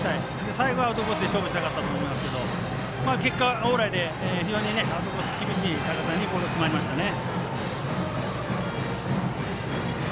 最後、アウトコースで勝負したかったと思いますけど結果オーライでアウトコースの厳しいところにボールが決まりましたね。